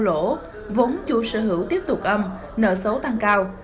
trong đó vốn chủ sở hữu tiếp tục âm nợ số tăng cao